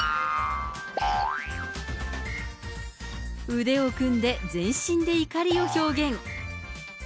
腕を組んで全身で怒りを表現。